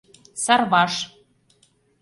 Сарваш.